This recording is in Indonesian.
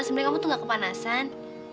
sebenernya kamu tuh nggak kepanasan